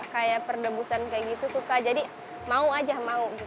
kayak perdebusan kayak gitu suka jadi mau aja mau